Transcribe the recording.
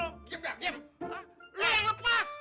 lo yang lepas